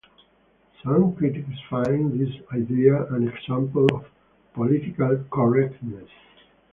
Some critics find this idea an example of "political correctness".